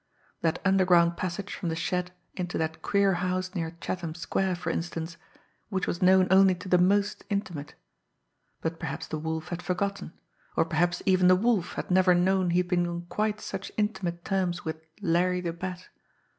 That underground passage from the shed into that queer house near Chatham Square, for instance which was known only to the most intimate! But perhaps the Wolf had forgotten, or perhaps even the Wolf had never known he had been on quite such intimate terms with Larry the Bat.